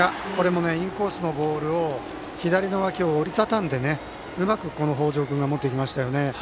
インコースのボールを左の脇を折りたたんで、うまく北條君が持っていきましたよね。